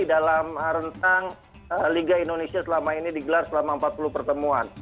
dalam rentang liga indonesia selama ini digelar selama empat puluh pertemuan